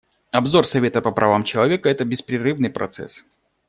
Обзор Совета по правам человека — это беспрерывный процесс.